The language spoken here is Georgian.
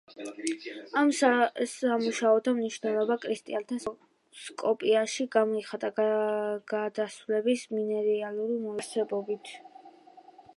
ამ სამუშაოთა მნიშვნელობა კრისტალთა სპექტროსკოპიაში გამოიხატა გადასვლების მინერალური მოლეკულების არსებობით.